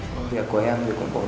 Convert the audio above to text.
thêm với sạch và rất đơn giản